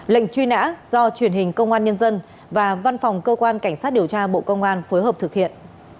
lệnh truy nã do truyền hình công an nhân dân và văn phòng cơ quan cảnh sát điều tra bộ công an phối hợp thực hiện